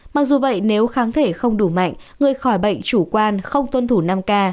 mặc dù vậy nếu kháng thể không đủ mạnh người khỏi bệnh chủ quan không tuân thủ năm k